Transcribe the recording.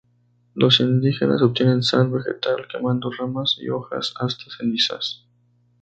Los indígenas obtienen sal vegetal; quemando ramas y hojas hasta cenizas.